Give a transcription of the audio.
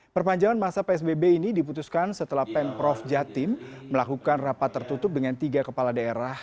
perpanjangan masa psbb ini diputuskan setelah pemprov jatim melakukan rapat tertutup dengan tiga kepala daerah